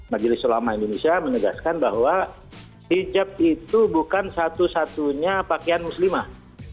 majelis ulama indonesia menegaskan bahwa hijab itu bukan satu satunya pakaian muslimah